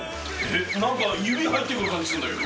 なんか指入ってくる感じするんだけど。